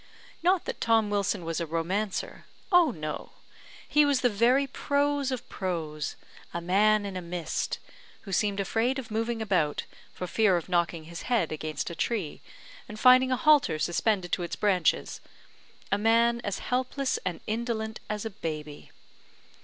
Not that Tom Wilson was a romancer; oh no! He was the very prose of prose, a man in a mist, who seemed afraid of moving about for fear of knocking his head against a tree, and finding a halter suspended to its branches a man as helpless and as indolent as a baby.